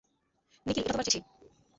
নিকিল এটা তোমার চিঠি।